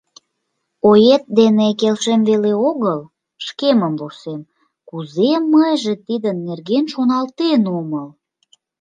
— Оет дене келшем веле огыл, шкемым вурсем: кузе мыйже тидын нерген шоналтен омыл?